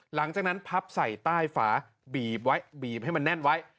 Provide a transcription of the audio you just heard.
หลังจากนั้นพับใส่ใต้ฝาบีบไว้บีบให้มันแน่นไว้